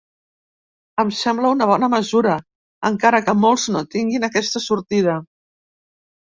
Em sembla una bona mesura, encara que molts no tinguin aquesta sortida.